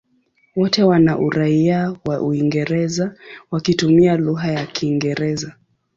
Wote wana uraia wa Uingereza wakitumia lugha ya Kiingereza.